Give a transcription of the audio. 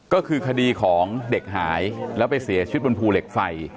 ก็คือคดีของเด็กหายแล้วไปเสียชีวิตบนภูเหล็กไฟ